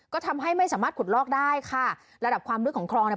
ก็ทำให้ไม่สามารถขุดลอกได้ค่ะระดับความลึกของคลองเนี่ย